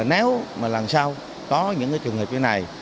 nếu mà lần sau có những trường hợp như này